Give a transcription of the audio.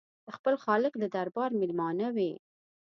د خپل خالق د دربار مېلمانه وي.